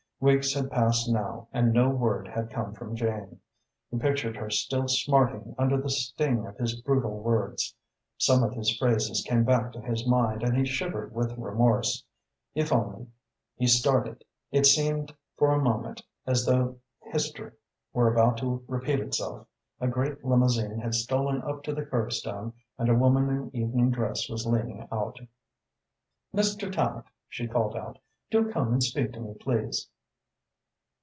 Weeks had passed now and no word had come from Jane. He pictured her still smarting under the sting of his brutal words. Some of his phrases came back to his mind and he shivered with remorse. If only He started. It seemed for a moment as though history were about to repeat itself. A great limousine had stolen up to the kerbstone and a woman in evening dress was leaning out. "Mr. Tallente," she called out, "do come and speak to me, please."